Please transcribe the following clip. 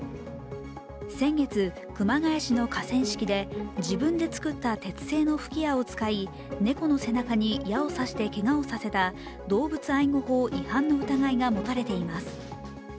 先月、熊谷市の河川敷で自分で作った鉄製の吹き矢を使い猫の背中に矢を刺してけがをさせた動物愛護法違反の疑いが持たれています。